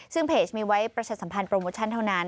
ซึ่งเพจมีไว้ประชาสัมพันธ์โปรโมชั่นเท่านั้น